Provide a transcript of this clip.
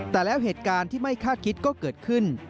แต่แล้วเหตุการณ์ที่ไม่คาดคิดก็เกิดขึ้น